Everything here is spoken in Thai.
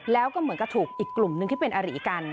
แล้วก็เหมือนกับถูกอีกกลุ่มหนึ่งที่เป็นอริกัน